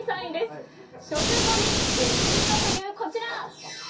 食後に絶品が！というこちら。